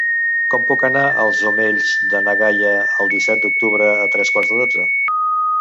Com puc anar als Omells de na Gaia el disset d'octubre a tres quarts de dotze?